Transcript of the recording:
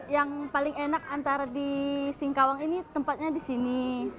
yang paling enak antara di singkawang ini tempatnya di sini